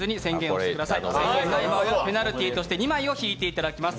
しない場合はペナルティーとして２枚を引いていただきます。